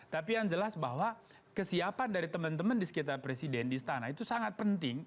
tapi yang jelas bahwa kesiapan dari teman teman di sekitar presiden di istana itu sangat penting